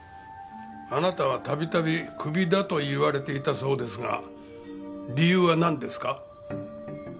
あなたはたびたびクビだと言われていたそうですが理由はなんですか？